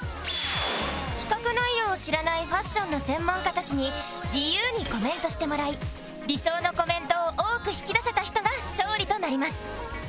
企画内容を知らないファッションの専門家たちに自由にコメントしてもらい理想のコメントを多く引き出せた人が勝利となります